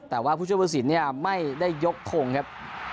แต่ว่าผู้ช่วยผู้สินเนี่ยไม่ได้ยกทงครับ